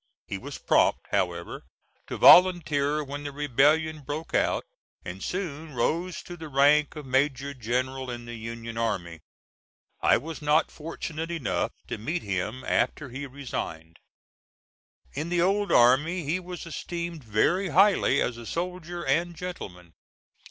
He was prompt, however, to volunteer when the rebellion broke out, and soon rose to the rank of major general in the Union army. I was not fortunate enough to meet him after he resigned. In the old army he was esteemed very highly as a soldier and gentleman.